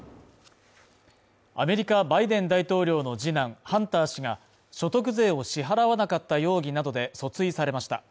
アメリカ・バイデン大統領の次男ハンター氏が、所得税を支払わなかった容疑などで訴追されました。